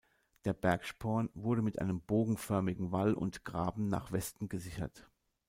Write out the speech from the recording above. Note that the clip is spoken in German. Der Bergsporn wurde mit einem bogenförmigen Wall und Graben nach Westen gesichert.